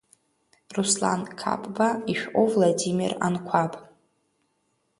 Руслан Қапба ишәҟәы Владимир Анқәаб.